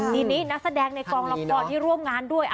ทีนี้นักแสดงในกองละครที่ร่วมงานด้วย